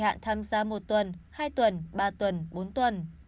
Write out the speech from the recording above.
khách hàng có kỳ hạn tham gia một tuần hai tuần ba tuần bốn tuần